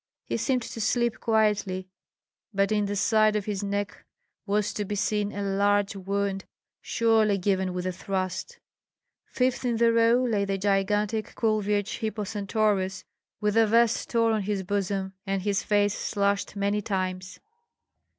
He seemed to sleep quietly, but in the side of his neck was to be seen a large wound surely given with a thrust. Fifth in the row lay the gigantic Kulvyets Hippocentaurus, with the vest torn on his bosom and his face slashed many times.